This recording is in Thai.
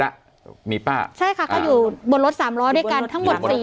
แล้วมีป้าใช่ค่ะเขาอยู่บนรถสามล้อด้วยกันทั้งหมดสี่